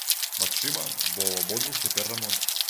Магчыма, бо ў абодвух цяпер рамонт.